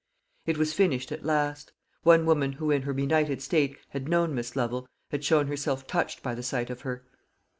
It was finished at last. One woman, who in her benighted state had known Miss Lovel, had shown herself touched by the sight of her.